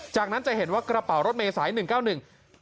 จากนั้นจะเห็นว่ากระเป๋ารถเมษายหนึ่งเก้าหนึ่ง